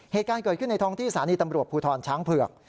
เหตุการณ์เกิดขึ้นในท้องที่สถานีตำรวจภูทรช้างเผือก